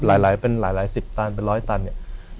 หลายเป็นหลายสิบตันเป็นร้อยตันเนี่ย